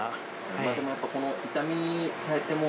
でもやっぱ、この痛みに耐えても？